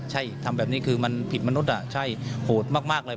ใช่ทำแบบนี้คือมันผิดมนุษย์ใช่โหดมากเลย